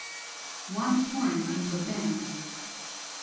One torn into a band.